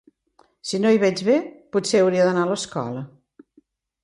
Si no hi veig bé, potser hauria d'anar a l'escola.